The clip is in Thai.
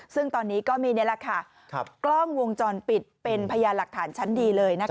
ซึ่งตอนนี้ก็มีนี่แหละค่ะกล้องวงจรปิดเป็นพยานหลักฐานชั้นดีเลย